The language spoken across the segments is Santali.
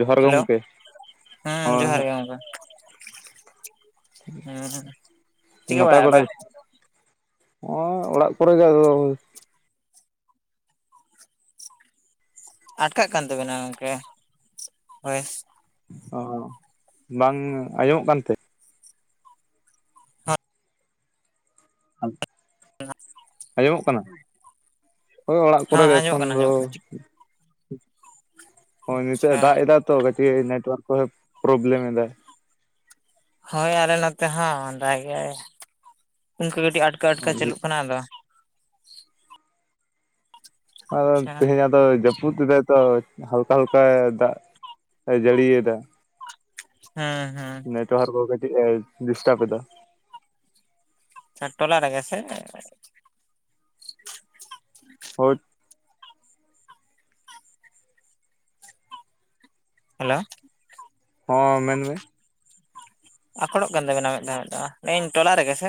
ᱡᱚᱦᱟᱨ ᱜᱮ ᱦᱮᱞᱳ ᱜᱚᱝᱠᱮ, ᱦᱮᱸ ᱦᱳᱭ ᱡᱚᱦᱟᱨ ᱦᱳᱭ ᱜᱮ ᱜᱚᱝᱠᱮ ᱦᱮᱸ ᱪᱤᱠᱟᱹ ᱱᱟᱯᱟᱭ ᱵᱟᱲᱟᱭᱮᱫᱼᱟ ᱵᱟᱲᱟ ᱯᱮ ᱜᱮᱛᱚ, ᱦᱚᱜᱼᱚᱭ ᱚᱲᱟᱜ ᱠᱚᱨᱮ ᱜᱮ, ᱟᱴᱠᱟᱜ ᱠᱟᱱ ᱛᱟᱵᱮᱱᱟ ᱜᱚᱝᱠᱮ ᱦᱳᱭ ᱾ ᱚ ᱵᱟᱝ ᱟᱸᱡᱚᱢᱚᱜ ᱠᱟᱱᱛᱮ? ᱟᱸᱡᱚᱢᱚᱜ ᱠᱟᱱᱟ, ᱦᱳᱭ ᱚᱲᱟᱜ ᱠᱚᱨᱮ ᱦᱮᱸ ᱜᱮ ᱟᱸᱡᱚᱢᱚᱜ ᱮᱠᱷᱚᱱ ᱠᱟᱱᱟ ᱫᱚ᱾ ᱟᱸᱡᱚᱢᱚᱜ ᱠᱟᱱᱟ ᱦᱳᱭ ᱱᱤᱛᱚᱜ ᱟᱪᱪᱷᱟ ᱮ ᱫᱟᱜ ᱮᱫᱟ ᱛᱚ, ᱠᱟᱹᱴᱤᱡ ᱱᱮᱴᱳᱣᱟᱨᱠ ᱠᱚᱭ ᱯᱨᱚᱵᱞᱮᱢ ᱮᱫᱟ᱾ ᱦᱳᱭ ᱟᱞᱮ ᱱᱚᱛᱮ ᱦᱚᱸ ᱫᱟᱜᱮ ᱟᱭ ᱾ ᱚᱱᱠᱟᱹ ᱠᱟᱹᱴᱤᱡ ᱟᱴᱠᱟ ᱟᱴᱠᱟᱣ ᱪᱟᱹᱞᱩᱜ ᱠᱟᱱᱟ ᱟᱫᱚ ᱾ ᱟᱪᱪᱷᱟ [unintelligible] ᱛᱤᱦᱤᱧ ᱟᱫᱚᱭ ᱡᱟᱹᱯᱩᱫ ᱮᱫᱟᱭ ᱛᱚ, ᱦᱟᱞᱠᱟ ᱦᱟᱞᱠᱟ ᱫᱟᱜ ᱮ ᱡᱟᱹᱲᱤᱭᱮᱫᱟ᱾ ᱦᱮᱸ ᱦᱮᱸ, ᱱᱮᱴᱳᱣᱟᱨᱠ ᱠᱚ ᱠᱟᱹᱴᱤᱡ ᱮ ᱰᱤᱥᱴᱟᱵ ᱮᱫᱟ᱾ ᱟᱨ ᱴᱚᱞᱟ ᱨᱮᱜᱮ ᱥᱮ? ᱦᱳᱭ, ᱦᱮᱞᱳ, ᱦᱚᱸ ᱢᱮᱱᱢᱮ ᱾ ᱟᱡᱚᱢᱚᱜ ᱠᱟᱱ ᱛᱟᱦᱮᱱᱟ, ᱴᱚᱞᱟ ᱨᱮᱜᱮ ᱥᱮ?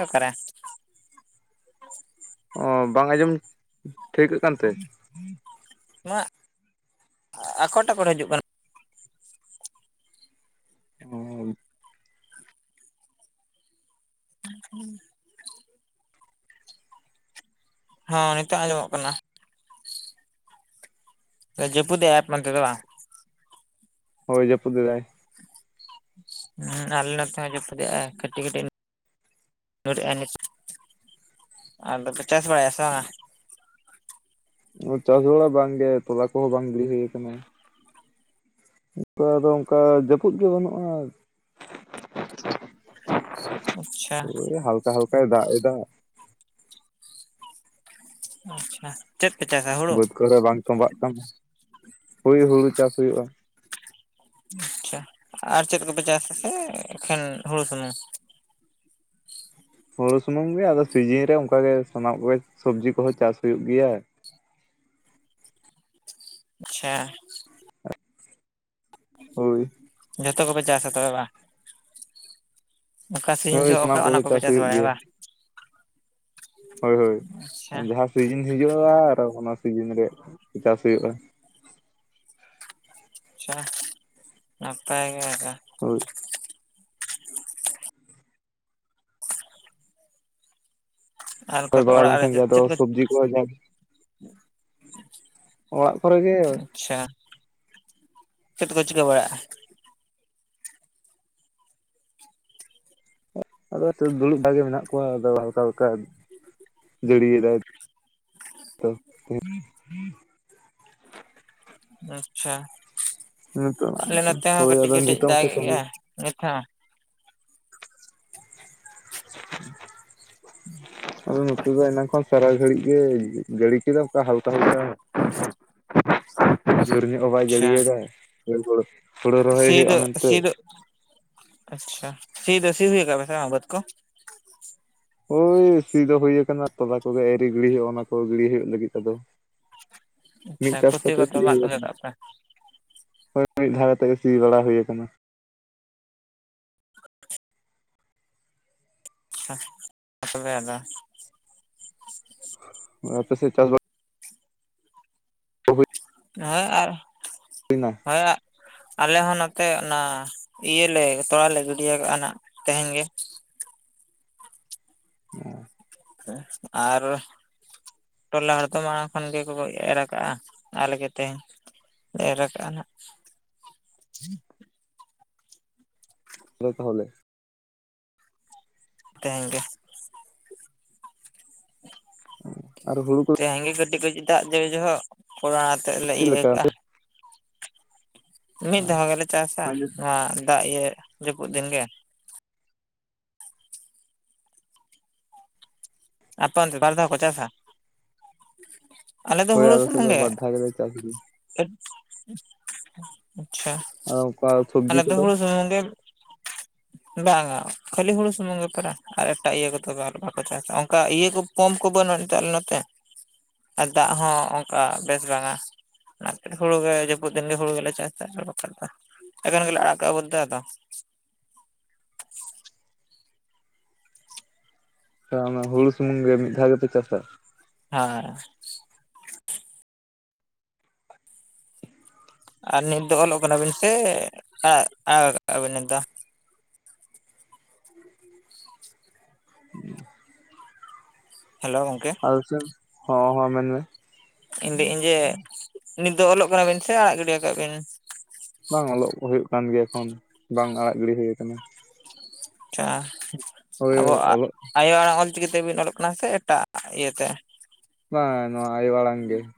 ᱚ ᱵᱟᱝ ᱟᱸᱡᱚᱢ ᱴᱷᱟᱹᱭᱠᱟᱹᱜ ᱠᱟᱱᱛᱮ? ᱟᱠᱚᱴ ᱟᱠᱚᱴ ᱦᱤᱡᱩᱜ ᱠᱟᱱᱟ ᱾ ᱚ, ᱦᱚᱸ ᱱᱤᱛᱚᱜ ᱟᱸᱡᱚᱢᱚᱜ ᱠᱟᱱᱟ ᱾ ᱡᱟᱯᱩᱫ ᱮᱫ ᱟᱭ, ᱟᱯᱮ ᱚᱱᱛᱮ ᱫᱚ ᱵᱟᱝ? ᱦᱳᱭ ᱡᱟᱹᱯᱩᱫ ᱮᱫᱟᱭ᱾ ᱦᱮᱸ ᱟᱞᱮ ᱱᱚᱛᱮ ᱦᱚᱸ ᱡᱟᱹᱯᱩᱫᱮᱜᱼᱟᱭ ᱠᱟᱹᱴᱤᱡ ᱠᱟᱹᱴᱤᱡ ᱧᱩᱨᱮᱜ ᱟᱭ ᱱᱤᱛᱚᱜ, ᱟᱨ ᱫᱚᱯᱮ ᱪᱟᱥ ᱵᱟᱲᱟᱭᱟ ᱥᱮ ᱵᱟᱝᱟ? ᱪᱟᱥ ᱵᱟᱲᱟ ᱵᱟᱝ ᱜᱮ, ᱛᱚᱞᱟ ᱠᱚᱦᱚᱸ ᱵᱟᱝ ᱜᱤᱰᱤ ᱦᱩᱭ ᱠᱟᱱᱟ ᱾ ᱚᱱᱠᱟ ᱫᱚ ᱚᱱᱠᱟ ᱡᱟᱹᱯᱩᱫ ᱜᱮ ᱵᱟᱹᱱᱩᱜᱼᱟ ᱟᱪᱪᱷᱟ ᱾ ᱳᱭ ᱦᱟᱞᱠᱟ ᱦᱟᱞᱠᱟᱭ ᱫᱟᱜ ᱮᱫᱟ ᱾ ᱟᱪᱪᱷᱟ᱾ ᱪᱮᱫ ᱯᱮ ᱪᱟᱥᱟ ᱦᱩ ᱵᱟᱹᱫ ᱠᱚᱨᱮ ᱵᱟᱝ ᱛᱚᱸᱵᱷᱟᱜ ᱛᱟᱸᱦᱮᱫ, ᱦᱳᱭ ᱦᱩᱲᱩ ᱪᱟᱥ ᱦᱩᱭᱩᱜᱼᱟ᱾ ᱟᱪᱪᱷᱟ᱾ ᱟᱨ ᱪᱮᱫ ᱠᱚᱯᱮ ᱪᱟᱥ ᱟᱥᱮ ᱮᱠᱷᱮᱱ ᱦᱩᱲᱩ ᱥᱩᱢᱩᱝ? ᱦᱩᱲᱩ ᱥᱩᱢᱩᱝ ᱜᱮ, ᱟᱫᱚ ᱥᱤᱡᱤᱱ ᱨᱮ ᱚᱱᱠᱟ ᱜᱮ ᱥᱟᱱᱟᱢᱟᱜ ᱠᱚᱜᱮ ᱥᱚᱵᱽᱡᱤ ᱠᱚᱦᱚᱸ ᱪᱟᱥ ᱦᱩᱭᱩᱜ ᱜᱮᱭᱟ ᱾ ᱟᱪᱪᱷᱟ᱾ ᱦᱳᱭ᱾ ᱡᱚᱛᱚ ᱜᱮᱯᱮᱮ ᱪᱟᱥᱟ ᱛᱚᱵᱮ ᱵᱟ? ᱚᱠᱟ ᱥᱤᱧ ᱦᱳᱭ ᱡᱚᱦᱚᱜ ᱥᱟᱱᱟᱢ ᱚᱠᱟ, ᱚᱱᱟ ᱠᱚᱜᱮ ᱠᱚᱯᱮ ᱪᱟᱥ ᱦᱩᱭᱩᱜ ᱵᱟᱲᱟᱭᱟ ᱜᱮᱭᱟ ᱵᱟᱝ? ᱦᱳᱭ ᱦᱳᱭ᱾ ᱟᱪᱪᱷᱟ ᱡᱟᱦᱟᱸ ᱥᱤᱡᱤᱱ ᱦᱤᱡᱩᱜᱼᱟ ᱟᱨ ᱚᱱᱟ ᱥᱤᱡᱤᱱ ᱨᱮ ᱪᱟᱥ ᱦᱩᱭᱩᱜᱼᱟ᱾ ᱟᱪᱪᱷᱟ᱾ ᱱᱟᱯᱟᱭ ᱜᱮ ᱚᱱᱠᱟ ᱾ ᱦᱳᱭ᱾ ᱟᱨ ᱠᱚᱭ ᱠᱚᱫᱚ ᱵᱟᱲᱟ ᱚᱲᱟᱜ ᱞᱮᱱ ᱨᱮ ᱠᱷᱟᱱ ᱜᱮ ᱟᱫᱚ ᱪᱮᱫ ᱥᱚᱵᱽᱡᱤ ᱠᱚ ᱡᱟᱦᱟ- ᱚᱲᱟᱜ ᱠᱚᱨᱮ ᱜᱮ ᱟᱪᱪᱷᱟ᱾ ᱪᱮᱫ ᱠᱚ ᱪᱤᱠᱟᱹ ᱵᱟᱲᱟᱭ ᱮᱫᱼᱟ? ᱟᱫᱚ ᱛᱚᱵᱮ ᱫᱩᱲᱩᱵ ᱵᱟᱲᱟᱜᱮ ᱜᱮ ᱢᱮᱱᱟᱜ ᱠᱚᱣᱟ ᱟᱫᱚ ᱦᱟᱞᱠᱟ ᱦᱟᱞᱠᱟ ᱡᱟᱹᱲᱤᱭ ᱫᱟᱭ ᱛᱚ ᱦᱮᱸ᱾ ᱟᱪᱪᱷᱟ᱾ ᱱᱤᱛᱚᱜ ᱟᱞᱮ ᱱᱚᱛᱮ ᱦᱚᱸ ᱦᱳᱭ ᱠᱟᱹᱴᱤᱡ ᱟᱫᱚ ᱠᱟᱹᱴᱤᱡ ᱱᱤᱛᱚᱜ ᱫᱟᱜ ᱦᱚᱸᱛᱚ ᱮᱫ ᱠᱟᱹᱢᱤ ᱜᱮᱭᱟᱭ ᱱᱤᱛ ᱦᱚ? ᱟᱫᱚ ᱟᱪᱪᱷᱟ ᱱᱚᱛᱮ ᱫᱚ ᱮᱱᱟᱱ ᱠᱷᱚᱱ ᱥᱟᱨᱟ ᱜᱷᱟᱹᱲᱤᱡ ᱜᱮ ᱡᱟᱹᱲᱤ ᱠᱮᱫᱟ ᱚᱱᱠᱟ ᱦᱟᱞᱠᱟ ᱦᱟᱞᱠᱟ ᱡᱳᱨ ᱧᱚᱜ ᱜᱮ ᱵᱟᱭ ᱡᱟᱹᱲᱤ ᱟᱫᱟᱭ᱾ ᱦᱳᱭ ᱦᱳᱲᱳ ᱨᱚᱦᱚᱭ ᱥᱤ ᱦᱳᱭᱳᱜ-ᱟ ᱫᱚ ᱢᱮᱱᱛᱮ ᱥᱤ ᱫᱚ ᱟᱪᱪᱷᱟ ᱥᱤ ᱫᱚ ᱥᱤ ᱦᱳᱭ ᱠᱟᱜ-ᱟ ᱥᱮ ᱵᱟᱝ ᱵᱟᱹᱫᱽ ᱠᱚ? ᱳᱭ ᱥᱤ ᱫᱚ ᱦᱳᱭ ᱠᱟᱱᱟ ᱛᱚᱞᱟ ᱠᱚᱜᱮ ᱟᱣᱨᱤ ᱜᱤᱲᱤ ᱦᱩᱭᱩᱜᱼᱟ ᱚᱱᱟ ᱠᱚ ᱜᱤᱲᱤ ᱦᱩᱭᱩᱜ ᱞᱟᱹᱜᱤᱫ ᱟᱫᱚ᱾ ᱢᱤᱫ ᱟᱪᱪᱷᱟ ᱪᱟᱥ ᱠᱷᱚᱛᱤ ᱠᱟᱛᱮᱜ ᱠᱚᱫᱚ ᱥᱤ ᱢᱟᱜ ᱦᱩᱭ ᱠᱟᱱᱟ᱾ ᱟᱠᱟᱫ ᱯᱮ ᱦᱳᱭ ᱢᱤᱫ ᱫᱷᱟᱣ ᱠᱟᱛᱮᱜ ᱜᱮ ᱥᱤ ᱵᱟᱲᱟ ᱦᱳᱭ ᱠᱟᱱᱟ᱾ [unintelligible] ᱟᱫᱚ ᱟᱯᱮ ᱥᱮᱫ ᱪᱟᱥ ᱵᱟ ᱦᱮᱸ ᱟᱨ ᱦᱩᱭᱱᱟ ᱦᱮᱸᱭᱟᱜ ᱟᱞᱮ ᱦᱚᱸ ᱱᱚᱛᱮ ᱚᱱᱟ ᱤᱭᱟᱹᱞᱮ ᱛᱚᱞᱟ ᱞᱮ ᱜᱤᱰᱤᱭ ᱠᱟᱜᱼᱟ ᱱᱟᱜ ᱛᱮᱦᱮᱧ ᱜᱮ᱾ [unintelligible] ᱟᱨ ᱴᱚᱞᱟ ᱦᱚᱲ ᱫᱚ ᱢᱟᱲᱟᱝ ᱠᱷᱚᱱ ᱜᱮ ᱠᱚ ᱮᱨ ᱠᱟᱜᱼᱟ ᱟᱞᱮ ᱜᱮ ᱛᱮᱦᱮᱧ ᱮᱨ ᱠᱟᱜᱼᱟ ᱱᱟᱸᱦᱟᱜ [inaudible] ᱟᱫᱚ ᱛᱟᱦᱞᱮ ᱛᱮᱦᱮᱧ ᱜᱮ ᱟᱨ ᱦᱩᱲᱩ ᱠᱚ ᱛᱮᱦᱮᱧ ᱜᱮ ᱠᱟᱹᱴᱤᱡ ᱠᱟᱹᱴᱤᱡ ᱫᱟᱜ ᱡᱟᱹᱲᱤ ᱡᱚᱦᱚᱜ ᱚᱱᱟ ᱟᱛᱮᱫ ᱞᱮ ᱪᱮᱫ ᱤᱭᱟᱹᱭ ᱞᱮᱠᱟ ᱠᱟᱜᱼᱟ᱾ ᱢᱤᱫ ᱫᱷᱟᱣ ᱜᱮᱞᱮ ᱪᱟᱥᱟ ᱱᱚᱣᱟ ᱫᱟᱜ ᱤᱭᱟᱹ ᱡᱟᱹᱯᱩᱫ ᱫᱤᱱ ᱜᱮ᱾ ᱟᱯᱮ ᱚᱱᱛᱮ ᱵᱟᱨ ᱫᱷᱟᱣ ᱠᱚ ᱪᱟᱥᱟ? ᱟᱞᱮ ᱫᱚ ᱦᱳᱭ ᱦᱩᱲᱩ ᱥᱮᱫ ᱥᱩᱢᱩᱝ ᱫᱚ ᱜᱮ, ᱵᱟᱨ ᱫᱷᱟᱣ ᱜᱮᱞᱮ ᱪᱟᱥ ᱜᱮᱭᱟ ᱟᱪᱪᱷᱟ᱾ ᱟᱨ ᱚᱱᱠᱟ ᱟᱞᱮ ᱥᱚᱵᱽᱡᱤ ᱫᱚ ᱠᱚᱫᱚ ᱦᱩᱲᱩ ᱥᱩᱢᱩᱝ ᱜᱮ ᱾ ᱵᱟᱝᱟ ᱠᱷᱟᱹᱞᱤ ᱦᱩᱲᱩ ᱥᱩᱢᱩᱝ ᱜᱮ ᱯᱮᱨᱟ ᱟᱨ ᱮᱴᱟᱜ ᱤᱭᱟᱹ ᱠᱚᱫᱚ ᱵᱟᱠᱚ ᱪᱟᱥᱟ᱾ ᱚᱱᱠᱟ ᱤᱭᱟᱹ ᱠᱚ ᱯᱚᱢᱯ ᱠᱚ ᱵᱟᱹᱱᱩᱜᱼᱟ ᱮᱴᱟᱜ ᱱᱚᱛᱮ᱾ ᱟᱨ ᱫᱟᱜ ᱦᱚᱸ ᱚᱱᱠᱟ ᱵᱮᱥ ᱵᱟᱝ-ᱟ᱾ ᱚᱱᱟ ᱛᱮ ᱦᱩᱲᱩ ᱜᱮ ᱡᱟᱹᱯᱩᱫ ᱫᱤᱱ ᱜᱮ ᱦᱩᱲᱩ ᱜᱮᱞᱮ ᱪᱟᱥᱟ ᱟᱨ ᱵᱟᱠᱷᱟᱱ ᱵᱟ, ᱮᱠᱷᱮᱱ ᱜᱮᱞᱮ ᱟᱲᱟᱜ ᱠᱟᱜᱼᱟ ᱵᱟᱹᱫᱷ ᱫᱟᱜ ᱟᱛᱚ ᱚᱱᱟ ᱦᱩᱲᱩ ᱥᱩᱢᱩᱝ ᱜᱮ ᱢᱤᱫ ᱫᱷᱟᱣ ᱜᱮᱯᱮ ᱪᱟᱥᱟ? ᱦᱮᱸ ᱟᱨ ᱱᱤᱛ ᱫᱚ ᱚᱞᱚᱜ ᱠᱟᱱᱟᱵᱤᱱ ᱥᱮ ᱟ ᱟᱲᱟᱜ ᱠᱟᱜᱼᱟ ᱵᱤᱱ ᱱᱤᱛ ᱫᱚ? [inaudible] ᱦᱮᱞᱳ ᱜᱚᱝᱠᱮ ᱾ ᱟᱞᱪ ᱦᱚᱸ ᱦᱚᱸ ᱢᱮᱱ ᱢᱮ ᱾ ᱤᱧ ᱞᱟᱹᱭᱟᱹᱧ ᱡᱮ, ᱱᱤᱛ ᱫᱚ ᱚᱞᱚᱜ ᱠᱟᱱᱟ ᱵᱤᱱ ᱥᱮ ᱟᱲᱟᱜ ᱜᱤᱰᱤ ᱭᱟᱠᱟᱜᱼᱟ ᱵᱤᱱ? ᱵᱟᱝ ᱚᱞᱚᱜ ᱦᱩᱭᱩᱜ ᱠᱟᱱ ᱜᱮᱭᱟ ᱮᱠᱷᱚᱱ, ᱵᱟᱝ ᱟᱲᱟᱜ ᱜᱤᱰᱤ ᱦᱩᱭ ᱠᱟᱱᱟ ᱾ ᱟᱪᱪᱷᱟ ᱳᱭ [inaudible] ᱟᱵᱚᱣᱟᱜ ᱚᱞᱚᱜ ᱟᱭᱳ ᱟᱲᱟᱝ ᱚᱞ ᱪᱤᱠᱤ ᱛᱮᱵᱤᱱ ᱚᱞᱚᱜ ᱠᱟᱱᱟ ᱥᱮ ᱮᱴᱟᱜ ᱤᱭᱟᱹ ᱛᱮ? ᱵᱟᱝ ᱱᱚᱣᱟ ᱟᱭᱚ ᱟᱲᱟᱝ ᱜᱮ ᱾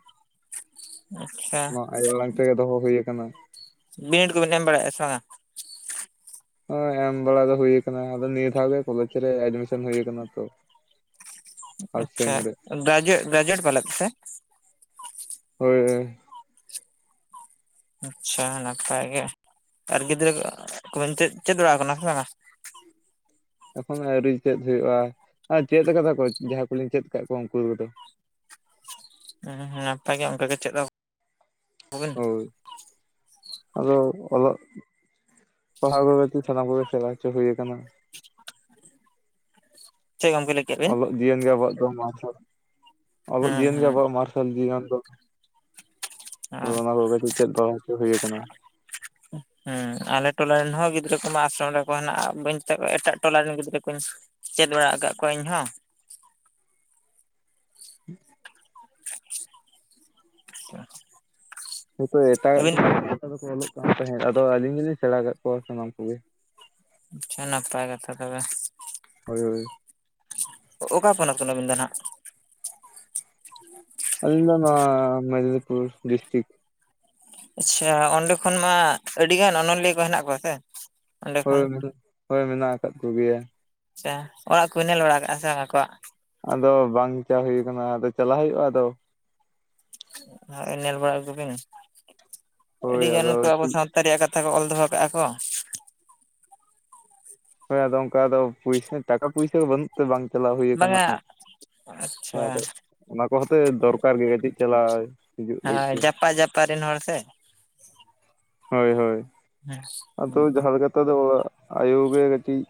ᱟᱪᱪᱷᱟ, ᱱᱚᱣᱟ ᱟᱭᱳ ᱟᱲᱟᱝ ᱛᱮ ᱜᱮ ᱫᱚᱦᱚ ᱦᱩᱭ ᱠᱟᱱᱟ ᱾ ᱵᱤᱱᱤᱰ ᱠᱚᱵᱤᱱ ᱮᱢ ᱵᱟᱲᱟᱭᱮᱜᱼᱟ ᱥᱮ ᱵᱟᱝᱟ? ᱦᱚᱭ ᱮᱢ ᱵᱟᱲᱟ ᱫᱚ ᱦᱩᱭ ᱠᱟᱱᱟ, ᱟᱫᱚ ᱱᱤᱭᱟᱹ ᱫᱷᱟᱣ ᱜᱮ ᱠᱚᱞᱮᱡᱽ ᱨᱮ ᱮᱰᱢᱤᱥᱟᱱ ᱦᱩᱭ ᱠᱟᱱᱟ ᱛᱚ ᱾ ᱟᱪᱪᱷᱟ ᱜᱨᱟᱡᱩᱭ ᱜᱨᱟᱡᱩᱭᱮᱴ ᱯᱟᱞᱮᱫ, ᱥᱮ ᱦᱳᱭ ᱦᱳᱭ, ᱟᱪᱪᱷᱟ ᱱᱟᱯᱟᱭ ᱜᱮ, ᱟᱨ ᱜᱤᱫᱽᱨᱟᱹ ᱠᱚᱵᱮᱱ ᱪᱮᱫ ᱵᱟᱲ ᱠᱟᱱᱟ ᱥᱮ ᱵᱟᱝᱟ? ᱮᱠᱷᱚᱱ ᱟᱹᱣᱨᱤ ᱪᱮᱫ ᱦᱩᱭᱩᱜᱼᱟ ᱟᱨ ᱪᱮᱫ ᱠᱟᱫᱟ ᱠᱚ ᱡᱟᱦᱟᱸᱭ ᱠᱚᱞᱤᱧ ᱪᱮᱫ ᱠᱟᱫ ᱠᱚᱣᱟ ᱩᱱᱠᱩ ᱠᱚᱫᱚ ᱾ ᱦᱩᱸ ᱱᱟᱯᱟᱭ ᱜᱮ, ᱚᱱᱠᱟ ᱜᱮ ᱪᱮᱫ ᱟᱠᱚᱵᱤᱱ ᱦᱳᱭ ᱟᱫᱚ ᱚᱞᱚᱜ ᱯᱟᱲᱦᱟᱣ ᱠᱚ ᱵᱮᱥ ᱴᱷᱤᱠ ᱥᱟᱱᱟᱢ ᱠᱚᱜᱮ ᱥᱮᱵᱟ ᱦᱚᱪᱚ ᱦᱩᱭ ᱟᱠᱟᱱᱟ ᱾ ᱪᱮᱫ ᱠᱚᱢᱯᱞᱤᱴ ᱚᱞᱚᱜ ᱡᱤᱭᱚᱱ ᱜᱮ ᱟᱵᱚᱣᱟᱜ ᱫᱚ ᱢᱟᱨᱥᱟᱞ, ᱚᱞᱚᱜ ᱦᱩᱸ ᱡᱤᱭᱚᱱ ᱜᱮ ᱦᱩᱸ ᱟᱵᱚᱣᱟᱜ ᱢᱟᱨᱥᱟᱞ ᱥᱡᱤᱭᱚᱱ ᱫᱚ ᱦᱚᱭ ᱚᱱᱟ ᱠᱚ ᱠᱟᱹᱡ ᱪᱮᱫ ᱫᱚ ᱦᱩᱭ ᱟᱠᱟᱱᱟ ᱾ [inaudible] ᱦᱩᱸ ᱟᱞᱮ ᱴᱚᱞᱟ ᱨᱮᱱ ᱦᱚᱸ ᱜᱤᱫᱽᱨᱟᱹ ᱠᱚᱢᱟ ᱟᱥᱨᱚᱢ ᱨᱮ ᱠᱚ ᱦᱮᱱᱟᱜ, ᱵᱟᱹᱧ ᱢᱮᱛᱟ ᱠᱚᱣᱟ ᱮᱴᱟᱜ ᱴᱚᱞᱟ ᱨᱮᱱ ᱜᱤᱫᱽᱨᱟᱹ ᱠᱩᱧ ᱪᱮᱫ ᱵᱟᱲᱟ ᱟᱠᱟᱫ ᱠᱚᱣᱟ ᱤᱧ ᱦᱚᱸ ᱾ [inaudible] [inaudible] ᱦᱳᱭᱛᱳ ᱮᱴᱟᱜᱟᱜ ᱟᱹᱵᱤᱱ ᱠᱚ ᱫᱚᱠᱚ ᱚᱞᱚᱜ ᱠᱟᱱ ᱛᱟᱦᱮᱸᱫ, ᱟᱫᱚ ᱟᱹᱞᱤᱧ ᱜᱮᱞᱤᱧ ᱥᱮᱬᱟ ᱟᱠᱟᱫ ᱠᱚᱣᱟ ᱥᱟᱱᱟᱢ ᱠᱚ ᱜᱮ ᱾ ᱟᱪᱪᱷᱟ ᱱᱟᱯᱟᱭ ᱠᱟᱛᱷᱟ ᱛᱚᱵᱮ ᱾ ᱦᱳᱭ ᱦᱳᱭ, ᱚᱠᱟ ᱯᱚᱱᱚᱛ ᱠᱷᱚᱱ ᱟᱹᱵᱤᱱ ᱫᱚ ᱱᱟᱦᱟᱸᱜ? ᱟᱞᱤᱧ ᱫᱚ ᱱᱚᱣᱟ ᱢᱮᱫᱽᱱᱤᱯᱩᱨ ᱰᱤᱥᱴᱤᱠ ᱾ ᱟᱪᱪᱷᱟ ᱚᱸᱰᱮ ᱠᱷᱚᱱ ᱢᱟ ᱟᱹᱰᱤ ᱜᱟᱱ ᱚᱱᱚᱞᱤᱭᱟᱹ ᱠᱚ ᱦᱮᱱᱟᱜ ᱠᱚᱣᱟ ᱥᱮ ᱾ ᱦᱳᱭ ᱢᱮᱱᱟᱜ ᱟᱠᱟᱫ ᱦᱳᱭ ᱢᱮᱱᱟᱜ ᱟᱠᱟᱫ ᱠᱚ ᱜᱮᱭᱟ ᱾ ᱟᱪᱪᱷᱟ, ᱚᱲᱟᱜ ᱠᱚ ᱵᱤᱱ ᱧᱮᱞ ᱵᱟᱲᱟ ᱟᱠᱟᱜᱼᱟ ᱥᱮ ᱵᱟᱝ ᱟᱠᱚᱣᱟᱜ? ᱟᱫᱚ ᱵᱟᱝ ᱪᱟᱞᱟᱣ ᱦᱩᱭ ᱟᱠᱟᱱᱟ, ᱟᱫᱚ ᱪᱟᱞᱟᱣ ᱦᱩᱭᱩᱜᱼᱟ, ᱟᱫᱚ ᱦᱳᱭ ᱧᱮᱞ ᱵᱟᱲᱟ ᱠᱚᱵᱤᱱ, ᱦᱳᱭ ᱟᱹᱰᱤ ᱜᱟᱱ ᱟᱫᱚ ᱠᱚ ᱟᱵᱚ ᱥᱟᱶᱛᱟ ᱞᱟᱛᱟᱨ ᱨᱮᱭᱟᱜ ᱠᱟᱛᱷᱟ ᱠᱚ ᱚᱞ ᱫᱚᱦᱚᱣ ᱠᱟᱜᱼᱟ ᱠᱚ ᱾ ᱦᱚᱭ ᱟᱫᱚ ᱚᱱᱠᱟ ᱫᱚ ᱯᱩᱭᱥᱟᱹ ᱴᱟᱠᱟ ᱯᱩᱭᱥᱟᱹ ᱵᱟᱹᱱᱩᱜ ᱛᱮ ᱵᱟᱝ ᱪᱟᱞᱟᱣ ᱦᱩᱭ ᱟᱠᱟᱱᱟ ᱵᱟᱝᱟ ᱾ ᱦᱚᱭ ᱟᱪᱪᱷᱟ ᱟᱫᱚ ᱚᱱᱟ ᱠᱚ ᱦᱚᱛᱮ ᱫᱚᱨᱠᱟᱨ ᱜᱮ ᱠᱟᱹᱴᱤᱡ ᱪᱟᱞᱟᱣ ᱦᱤᱡᱩᱜ ᱞᱟᱹᱜᱤᱫ ᱛᱮ ᱾ ᱚᱠᱟ ᱨᱤᱱ ᱦᱚᱲ ᱥᱮ ᱾ ᱦᱳᱭ ᱦᱳᱭ᱾ ᱦᱮᱸ, ᱟᱫᱚ ᱦᱩᱸ ᱡᱟᱦᱟᱸ ᱞᱮᱠᱟ ᱛᱮ ᱟᱫᱚ ᱚᱲᱟᱜ ᱟᱭᱳ ᱜᱮ ᱠᱟᱹᱴᱤᱡ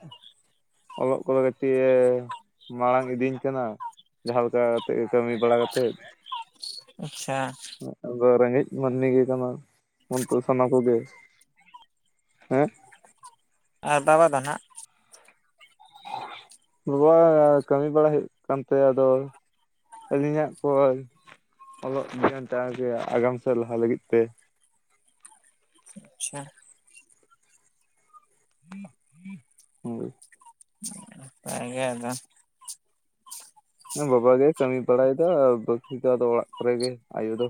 ᱚᱞᱚᱜ ᱠᱚᱫᱚ ᱠᱟᱹᱴᱤᱡ ᱮ ᱢᱟᱲᱟᱝ ᱤᱫᱤᱧ ᱠᱟᱱᱟ᱾ ᱡᱟᱦᱟᱸ ᱞᱮᱠᱟ ᱠᱟᱛᱮ ᱜᱮ ᱠᱟᱹᱢᱤ ᱵᱟᱲᱟ ᱠᱟᱛᱮᱫ᱾ ᱟᱪᱪᱷᱟ᱾ ᱟᱫᱚ ᱨᱮᱸᱜᱮᱡ ᱢᱟᱹᱱᱢᱤ ᱜᱮ ᱠᱟᱱᱟ ᱵᱚᱱ ᱛᱚ ᱥᱟᱱᱟ ᱠᱚ ᱜᱮ᱾ ᱦᱮᱸ? ᱟᱨ ᱵᱟᱵᱟ ᱫᱚ ᱱᱟᱦᱟᱜ? ᱵᱟᱵᱟ ᱠᱟᱹᱢᱤ ᱵᱟᱲᱟ ᱦᱩᱭᱩᱜ ᱠᱟᱱ ᱛᱟᱭᱟ ᱟᱫᱚ ᱟᱹᱞᱤᱧᱟᱜ ᱠᱚᱭ ᱚᱞᱚᱜ ᱫᱷᱮᱭᱟᱱ ᱡᱟ ᱜᱮ ᱟᱜᱟᱢ ᱥᱮᱫ ᱞᱟᱦᱟ ᱞᱟᱹᱜᱤᱫ ᱛᱮ᱾ ᱟᱪᱪᱷᱟ᱾ ᱦᱳᱭ᱾ ᱱᱟᱯᱟᱭ ᱜᱮ ᱟᱫᱚ᱾ ᱮᱸ ᱵᱟᱵᱟ ᱜᱮ ᱠᱟᱹᱢᱤ ᱵᱟᱲᱟᱭ ᱫᱚ ᱵᱟᱠᱤ ᱫᱚ ᱟᱫᱚ ᱚᱲᱟᱜ ᱠᱚᱨᱮ ᱜᱮ ᱟᱭᱳ ᱫᱚ᱾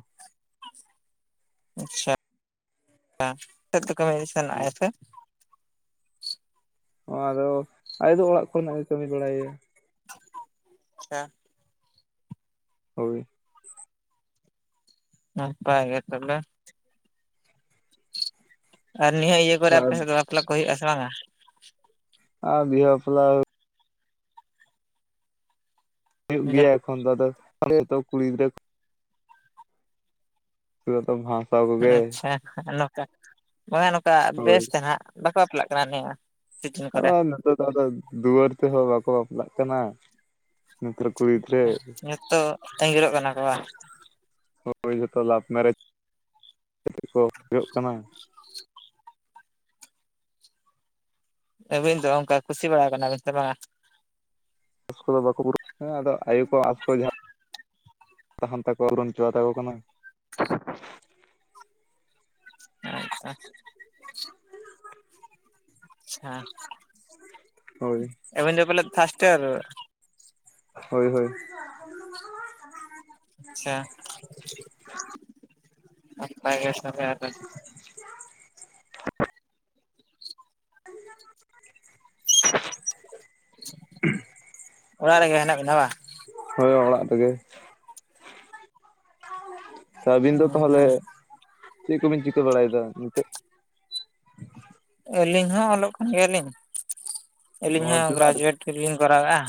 ᱟᱪᱪᱷᱟ [inaudible] ᱠᱟᱹᱢᱤ ᱥᱮᱱᱚᱜ ᱟᱭ ᱥᱮ? ᱚ ᱟᱫᱚ ᱟᱭᱳ ᱫᱚ ᱚᱲᱟᱜ ᱠᱚᱨᱮᱱᱟᱜ ᱜᱮ ᱠᱟᱹᱢᱤ ᱵᱟᱲᱟᱭ ᱜᱮᱭᱟ᱾ [inaudible] ᱦᱳᱭ᱾ ᱱᱟᱯᱟᱭ ᱜᱮ ᱛᱟᱦᱞᱮ᱾ ᱟᱨ ᱱᱤᱭᱟᱹ ᱤᱭᱟᱹ ᱠᱚᱨᱮ ᱟᱯᱮ ᱥᱮᱫ ᱫᱚ ᱵᱟᱯᱞᱟ ᱠᱚ ᱦᱩᱭᱩᱜ ᱼᱟ ᱥᱮ ᱵᱟᱝᱟ? ᱟᱨ ᱵᱤᱦᱟ ᱯᱟᱯᱞᱟ ᱦᱩᱭᱩᱜ ᱡᱮ ᱜᱮᱭᱟ ᱮᱠᱷᱚᱱ ᱫᱚ ᱟᱫᱚ [inaudible] ᱠᱩᱲᱤ ᱜᱤᱫᱽᱨᱟᱹ [unintelligible] ᱟᱪᱪᱷᱟ ᱱᱚᱝᱠᱟ ᱵᱟᱝᱟ ᱱᱚᱝᱠᱟ ᱵᱮᱥ ᱦᱳᱭ ᱫᱷᱟᱜ ᱵᱟᱠᱚ ᱵᱟᱯᱞᱟᱜ ᱠᱟᱱᱟ ᱱᱤᱭᱟᱹ? ᱥᱤᱡᱤᱱ ᱠᱚᱨᱮ ᱟᱫᱚ ᱱᱮᱛᱚᱜ ᱫᱚ ᱟᱫᱚ ᱫᱩᱣᱟᱹᱨ ᱛᱮᱦᱚᱸ ᱵᱟᱠᱚ ᱵᱟᱯᱞᱟᱜ ᱠᱟᱱᱟ᱾ ᱱᱮᱛᱟᱨ ᱠᱩᱲᱤ ᱜᱤᱫᱽᱨᱟᱹ᱾ ᱱᱤᱛᱚᱜ ᱟᱸᱜᱤᱨᱚᱜ ᱠᱟᱱᱟ ᱠᱚ ᱵᱟᱝ? ᱦᱳᱭ ᱡᱷᱚᱛᱚ ᱞᱟᱵᱷ ᱢᱮᱨᱮᱡᱽ ᱠᱟᱛᱮᱫ ᱠᱚ ᱦᱩᱭᱩᱜ ᱠᱟᱱᱟ᱾ ᱟᱹᱵᱤᱱ ᱫᱚ ᱚᱱᱠᱟ ᱠᱩᱥᱤ ᱵᱟᱲᱟᱣ ᱠᱟᱱᱟ ᱵᱤᱱ ᱥᱮ ᱵᱟᱝᱟ? [inaudible] ᱟᱫᱚ ᱟᱭᱳ ᱠᱚ [inaudible] [inaudible] ᱯᱩᱨᱚᱱ ᱦᱚᱪᱚᱣᱟᱛᱟ ᱠᱚ ᱠᱟᱱᱟ᱾ [inaudible] ᱪᱷᱟ, ᱦᱳᱭ ᱟᱵᱤᱱ ᱫᱚ ᱯᱟᱞᱮᱫ ᱯᱷᱟᱥᱴ ᱤᱭᱟᱨ? ᱦᱳᱭ ᱦᱳᱭ᱾ ᱟᱪᱪᱷᱟ, ᱱᱟᱯᱟᱭ ᱜᱮ ᱛᱟᱦᱞᱮ ᱟᱫᱚ [inaudible] ᱚᱲᱟᱜ ᱨᱮᱜᱮ ᱦᱮᱱᱟᱜ ᱵᱤᱱᱟ ᱵᱟ? ᱦᱳᱭ ᱚᱲᱟᱜ ᱨᱮᱜᱮ᱾ ᱥᱮ ᱟᱹᱵᱤᱱ ᱫᱚ ᱦᱩᱸ ᱛᱟᱦᱚᱞᱮ ᱦᱩᱸ ᱪᱮᱫ ᱠᱚᱵᱤᱱ ᱪᱤᱠᱟᱹ ᱵᱟᱲᱟᱭᱮᱫᱟ ᱱᱤᱛᱚᱜ? ᱟᱹᱞᱤᱧ ᱦᱚᱸ ᱚᱞᱚᱜ ᱠᱟᱱ ᱜᱮᱭᱟᱞᱤᱧ, ᱟᱹᱞᱤᱧ ᱱᱚᱣᱟ ᱦᱚᱸ ᱛᱤᱱᱟᱹᱜ ᱜᱨᱮᱡᱩᱭᱮᱴ ᱜᱮᱞᱤᱧ ᱠᱚᱨᱟᱣᱮᱫᱼᱟ᱾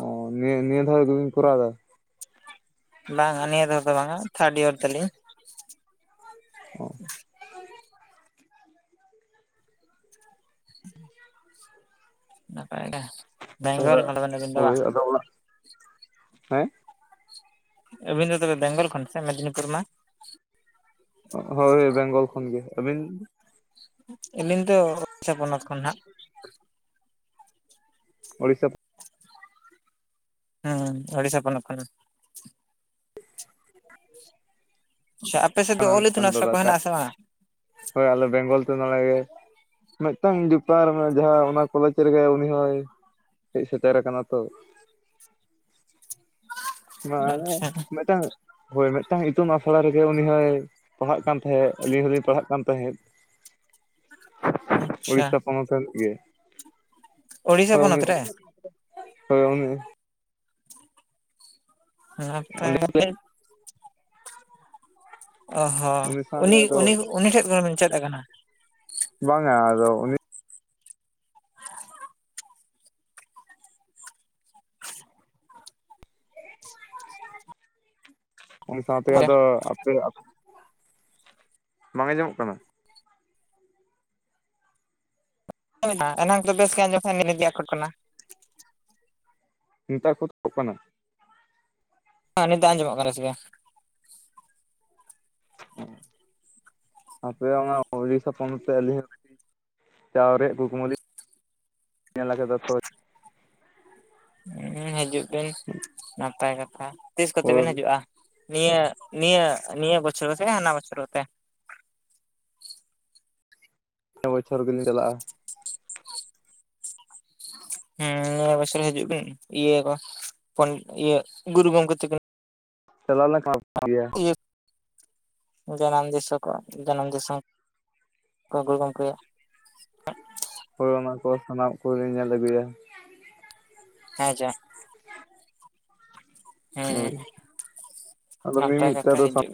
ᱚ ᱱᱤᱭᱟᱹ ᱱᱤᱭᱟᱹ ᱫᱷᱟᱣ ᱜᱮᱵᱤᱱ ᱠᱚᱨᱟᱣ ᱮᱫᱟ? ᱵᱟᱝᱟ ᱱᱤᱭᱟᱹ ᱫᱷᱟ ᱫᱚ ᱵᱟᱝᱟ ᱛᱷᱟᱨᱰ ᱤᱭᱟᱨ ᱛᱟᱞᱤᱧ᱾ ᱚ᱾ ᱱᱟᱯᱟᱭ ᱜᱮ ᱵᱮᱝᱜᱚᱞ ᱮᱫᱟ [inaudible] ᱟᱵᱤᱱ ᱫᱚ ᱵᱟᱝ? [inaudible] ᱦᱮᱸ ᱮᱵᱤᱱ ᱫᱚ ᱛᱚᱵᱮ ᱵᱮᱝᱜᱚᱞ ᱠᱷᱚᱱ ᱥᱮ ᱢᱮᱫᱽᱱᱤᱯᱩᱨ ᱚᱱᱟ? ᱦᱳᱭ ᱵᱮᱝᱜᱚᱞ ᱠᱷᱚᱱᱜᱮ ᱟᱹᱵᱤᱱ? ᱟᱹᱞᱤᱧ ᱫᱚ [inaudible] ᱯᱚᱱᱚᱛ ᱠᱷᱚᱱ ᱦᱟᱸᱜ᱾ ᱩᱲᱤᱥᱟ ᱦᱮᱸ ᱩᱲᱤᱥᱟ ᱯᱚᱱᱚᱛ ᱠᱟᱱᱟ ᱾ ᱟᱪᱷᱟ ᱟᱯᱮ ᱥᱮᱫ ᱫᱚ ᱨᱮᱱᱟᱜ ᱚᱞ ᱤᱛᱩᱱ ᱢᱤᱫᱴᱟᱝ ᱟᱥᱲᱟ ᱫᱟᱫᱟ ᱠᱚ ᱴᱟᱜ ᱢᱮᱱᱟᱜ-ᱟ ᱥᱮ ᱵᱟᱝᱟ? ᱦᱳᱭ ᱟᱞᱮ ᱵᱮᱝᱜᱚᱞ ᱛᱮ ᱱᱚᱰᱮᱜᱮ ᱹᱹᱹ ᱢᱤᱫᱴᱟᱝ ᱵᱮᱯᱟᱨ ᱡᱟᱦᱟᱸ ᱚᱱᱟ ᱠᱚᱞᱮᱡᱽ ᱨᱮᱜᱮ ᱩᱱᱤ ᱦᱚᱭ ᱦᱮᱡ ᱥᱮᱴᱮᱨ ᱟᱠᱟᱱᱟ ᱛᱚ ᱚᱱᱟ ᱟᱪᱪᱷᱟ ᱢᱤᱫᱴᱟᱝ ᱦᱳᱭ ᱢᱤᱫᱴᱟᱝ ᱤᱛᱩᱱ ᱟᱥᱲᱟ ᱨᱮᱜᱮ ᱩᱱᱤ ᱦᱚᱭ ᱯᱟᱲᱦᱟᱜ ᱠᱟᱱ ᱛᱟᱦᱮᱸᱫ ᱟᱹᱞᱤᱧ ᱦᱚᱞᱤᱧ ᱯᱟᱲᱦᱟᱜ ᱠᱟᱱ ᱛᱟᱦᱮᱸᱫ ᱾ ᱟᱪᱪᱷᱟ ᱩᱲᱤᱥᱥᱟ ᱯᱚᱱᱚᱛ ᱨᱮᱱᱤᱡ ᱜᱮ ᱳᱲᱤᱥᱥᱟ ᱦᱳᱭ ᱩᱱᱤ, ᱯᱚᱱᱚᱛ ᱨᱮ ᱦᱳᱭ ᱩᱱᱤ᱾ ᱚᱸᱰᱮ [inaudible] ᱚ ᱦᱚᱸ ᱩᱱᱤ ᱥᱟᱝ ᱟᱫᱚ ᱩᱱᱤ ᱩᱱᱤ ᱴᱷᱮᱡ ᱠᱷᱚᱱ ᱵᱤᱱ ᱪᱮᱫ ᱟᱠᱟᱱᱟ ᱵᱟᱝ-ᱟ ᱟᱫᱚ ᱩᱱᱤ ᱩᱱᱤ ᱥᱟᱣᱛᱮ ᱟᱫᱚ ᱟᱯᱮ, ᱵᱟᱝ ᱟᱸᱡᱚᱢᱚᱜ ᱠᱟᱱᱟ? ᱮᱱᱟᱝ ᱫᱚ ᱵᱮᱥ ᱜᱮ ᱟᱸᱡᱚᱢ ᱱᱮᱛᱟᱨ ᱠᱚ ᱫᱚ ᱠᱟᱱᱟ᱾ [inaudible] ᱦᱮᱸ ᱱᱤᱛ ᱫᱚ ᱟᱸᱡᱚᱢᱚᱜ ᱠᱟᱱᱟ ᱥᱮ ᱵᱟᱝ? [unintelligible] ᱟᱯᱮ ᱚᱱᱟ ᱩᱲᱤᱥᱟ ᱯᱚᱱᱚᱛ ᱨᱮ ᱟᱹᱞᱤᱧ ᱦᱚᱸ ᱪᱟᱣ ᱨᱮᱭᱟᱜ ᱠᱩᱠᱢᱩ ᱞᱤᱧ ᱧᱮᱞ ᱟᱠᱟᱫᱟ ᱛᱚ᱾ ᱦᱩᱸ ᱦᱤᱡᱩᱜ ᱵᱤᱱ ᱱᱟᱯᱟᱭ ᱠᱟᱛᱷᱟ᱾ ᱛᱤᱥ ᱠᱚᱛᱮ ᱦᱳᱭ ᱵᱤᱱ ᱦᱤᱡᱩᱜ-ᱟ? ᱱᱤᱭᱟᱹ ᱱᱤᱭᱟᱹ ᱱᱤᱭᱟᱹ ᱵᱚᱪᱷᱚᱨ ᱥᱮ ᱦᱟᱱᱟ ᱵᱚᱪᱷᱚᱨ ᱛᱮ? ᱯᱮ ᱵᱚᱪᱷᱚᱨ ᱜᱮᱞᱤᱧ ᱪᱟᱞᱟ-ᱟ᱾ ᱦᱮᱸ ᱱᱤᱭᱟᱹ ᱵᱚᱪᱷᱚᱨ ᱜᱮ ᱦᱤᱡᱩᱜ ᱵᱤᱱ ᱤᱭᱟᱹ ᱠᱚ ᱤᱭᱟᱹ ᱜᱩᱨᱩ ᱜᱚᱝᱠᱮ ᱛᱮᱠᱤᱱ [inaudible] ᱜᱮᱭᱟ᱾ ᱡᱟᱱᱟᱢ ᱫᱤᱥᱚᱢ ᱠᱚ ᱡᱟᱱᱟᱢ ᱫᱤᱥᱚᱢ᱾ ᱠᱚ ᱜᱩᱨᱩ ᱜᱚᱢᱠᱮᱭᱟ᱾ ᱦᱳᱭ ᱚᱱᱟ ᱠᱚ ᱥᱟᱱᱟᱢᱟ ᱠᱚ ᱧᱮᱞ ᱟᱹᱜᱩᱭᱟ᱾ [unintelligible] [unintelligible] ᱦᱮᱸ ᱦᱳᱭ ᱟᱫᱚ ᱢᱤ ᱱᱟᱯᱟᱭ ᱢᱤ ᱛᱮ ᱠᱟᱛᱷᱟ ᱟᱫᱚ ᱦᱤᱡᱩᱜ ᱥᱟ ᱵᱤᱱ᱾